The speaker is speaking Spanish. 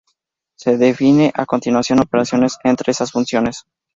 Se definen a continuación operaciones entre esas funciones.